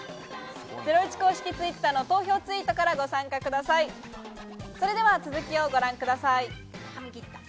ゼロイチ公式Ｔｗｉｔｔｅｒの投票ツイートからご参加ください。